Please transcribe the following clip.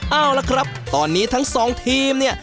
เอาละครับตอนนี้ทั้งสองทีมเนี่ย